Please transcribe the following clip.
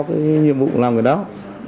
cái nhiệm vụ làm cái đó